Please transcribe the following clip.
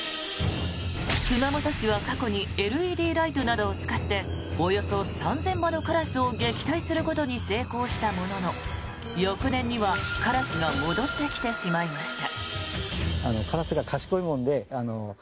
熊本市は過去にＬＥＤライトなどを使っておよそ３０００羽のカラスを撃退することに成功したものの翌年にはカラスが戻ってきてしまいました。